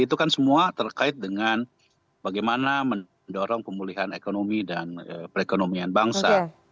itu kan semua terkait dengan bagaimana mendorong pemulihan ekonomi dan perekonomian bangsa